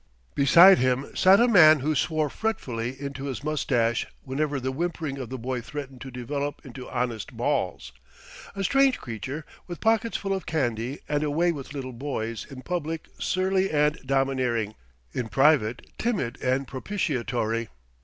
Beside him sat a man who swore fretfully into his moustache whenever the whimpering of the boy threatened to develop into honest bawls: a strange creature, with pockets full of candy and a way with little boys in public surly and domineering, in private timid and propitiatory.